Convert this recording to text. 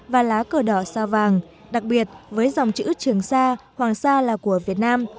và lá cờ đỏ sao vàng đặc biệt với dòng chữ trường sa hoàng sa là của việt nam